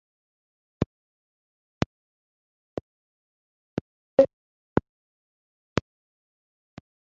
amaboko y'isegonda, we ku ruhande rwe yarafunze aramfata cyane.